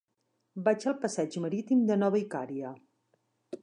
Vaig al passeig Marítim de Nova Icària.